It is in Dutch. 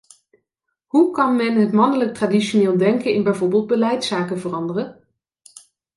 Hoe kan men het mannelijk traditioneel denken in bijvoorbeeld beleidszaken veranderen?